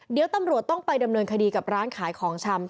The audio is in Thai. เดี๋ยวตำรวจต้องไปดำเนินคดีกับร้านขายของชำ